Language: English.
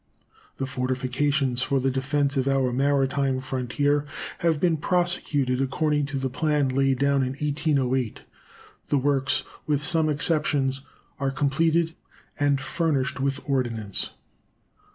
The fortifications for the defense of our maritime frontier have been prosecuted according to the plan laid down in 1808. The works, with some exceptions, are completed and furnished with ordnance.